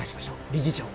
理事長